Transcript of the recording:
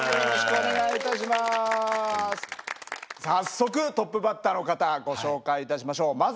早速トップバッターの方ご紹介いたしましょう。